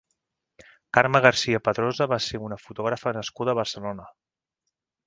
Carme Garcia Padrosa va ser una fotògrafa nascuda a Barcelona.